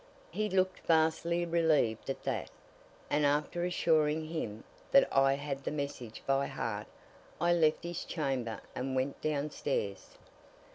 He looked vastly relieved at that, and after assuring him that I had the message by heart I left his chamber and went downstairs.